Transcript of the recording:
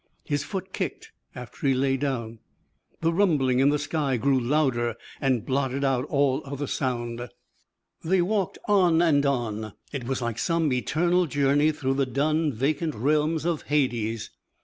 His foot kicked after he lay down. The rumbling in the sky grew louder and blotted out all other sound. They walked on and on. It was like some eternal journey through the dun, vacant realms of Hades.